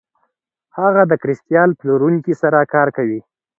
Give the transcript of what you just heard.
هغه د کریستال پلورونکي سره کار کوي.